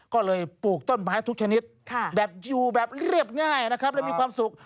ก็เลยปลูกต้นไม้ทุกชนิดแบบยูแบบเรียบง่ายได้มีความสุข